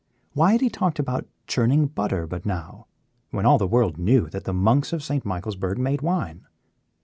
Why had he talked about churning butter but now, when all the world knew that the monks of St. Michaelsburg made wine.